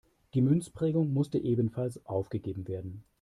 Die Münzprägung musste ebenfalls aufgegeben werden.